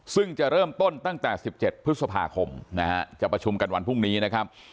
ซึ่งจะเริ่มต้นตั้งแต่๑๗พฤษภาคมนะฮะจะประชุมกันวันพรุ่งนี้นะครับ